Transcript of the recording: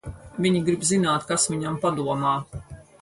Viņi grib zināt, kas viņam padomā.